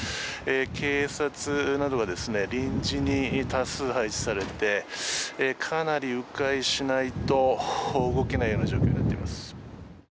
警察などが臨時に多数、配置されてかなり迂回しないと動けないような状況になっています。